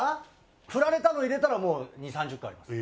フラれたの入れたらもう２０３０回です。